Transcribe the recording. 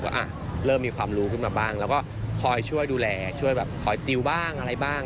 ก็เริ่มมีความรู้ขึ้นมาบ้างแล้วก็คอยช่วยดูแลช่วยแบบคอยติวบ้างอะไรบ้าง